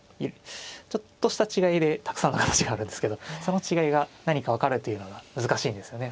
ちょっとした違いでたくさんの形があるんですけどその違いが何か分かるというのが難しいんですよね